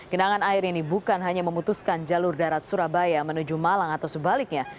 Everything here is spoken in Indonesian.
genangan air ini bukan hanya memutuskan jalur darat surabaya menuju malang atau sebaliknya